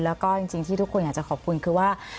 แล้วก็จริงที่ทุกคนอยากจะขอบคุณคือว่า